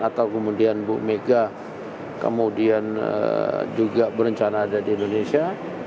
atau kemudian bu mega kemudian juga berencana ada di indonesia